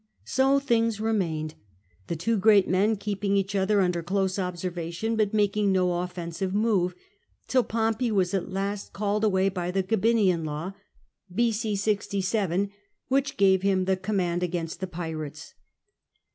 So things remained, the two great men keeping each other under close observation, but making no offensive move, till Pompey was at last called away by the Gabinian Law (b.C. 67), which gave him the command against the Pirates.